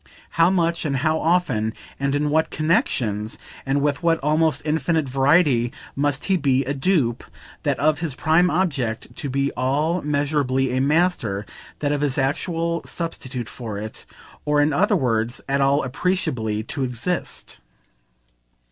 How much and how often, and in what connexions and with what almost infinite variety, must he be a dupe, that of his prime object, to be at all measurably a master, that of his actual substitute for it or in other words at all appreciably to exist?